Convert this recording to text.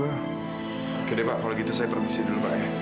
oke deh pak kalau gitu saya permisi dulu pak ya